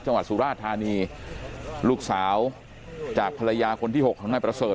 จังหวัดสุราธานีลูกสาวจากภรรยาคนที่๖ของนายประเสริฐ